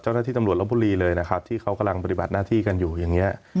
เจ้าหน้าที่ตำรวจลบบุรีเลยนะครับที่เขากำลังปฏิบัติหน้าที่กันอยู่อย่างนี้